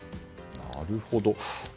なるほど。